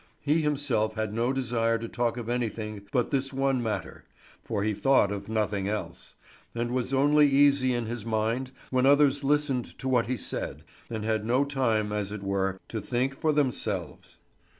He himself had no desire to talk of anything but this one matter; for he thought of nothing else, and was only easy in his mind when others listened to what he said, and had no time, as it were, to think for themselves.